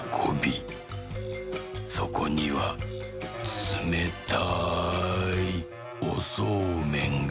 そこにはつめたいおそうめんが」。